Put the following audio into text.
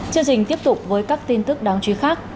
chương trình tiếp tục với các tin tức đáng chú ý khác